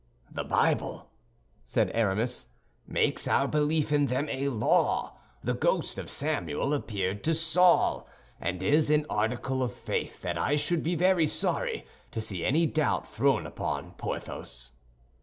"The Bible," said Aramis, "makes our belief in them a law; the ghost of Samuel appeared to Saul, and it is an article of faith that I should be very sorry to see any doubt thrown upon, Porthos."